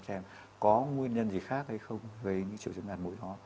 có nguyên nhân gì khác hay không về những triệu chứng đạt mũi đó